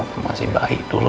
sama si bayi itu lu